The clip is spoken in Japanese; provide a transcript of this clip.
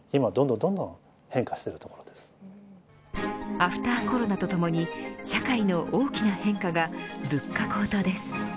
アフターコロナとともに社会の大きな変化が物価高騰です。